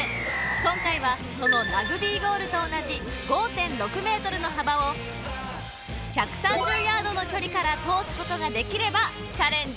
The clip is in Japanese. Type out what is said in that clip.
今回はそのラグビーゴールと同じ５．６ｍの幅を１３０ヤードの距離から通すことができればチャレンジ